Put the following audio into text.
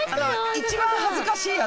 一番恥ずかしいやつ。